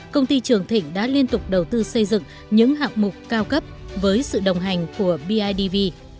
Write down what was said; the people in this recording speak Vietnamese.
công ty trường thịnh đã liên tục đầu tư xây dựng những hạng mục cao cấp với sự đồng hành của bidv